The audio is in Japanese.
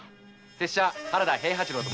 拙者原田平八郎。